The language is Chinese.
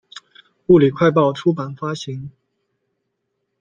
物理快报出版发行。